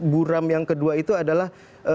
buram yang kedua itu adalah